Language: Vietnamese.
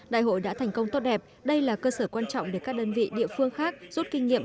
đại hội đã thành công tốt đẹp đây là cơ sở quan trọng để các đơn vị địa phương khác rút kinh nghiệm